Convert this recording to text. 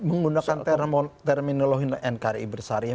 menggunakan terminologi nkri bersaharia